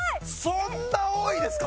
そんな多いですか？